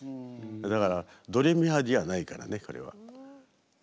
だからドレミファじゃないからねこれは。